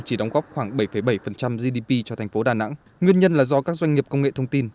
chỉ đóng góp khoảng bảy bảy gdp cho thành phố đà nẵng nguyên nhân là do các doanh nghiệp công nghệ thông tin